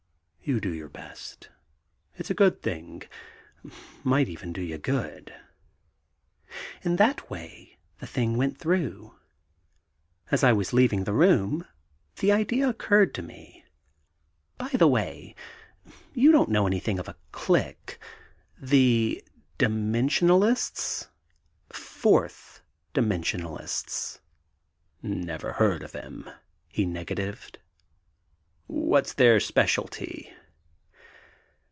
You do your best. It's a good thing ... might even do you good." In that way the thing went through. As I was leaving the room, the idea occurred to me, "By the way, you don't know anything of a clique: the Dimensionists Fourth Dimensionists?" "Never heard of them," he negatived. "What's their specialty?"